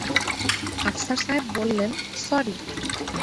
আফসার সাহেব বললেন, সরি।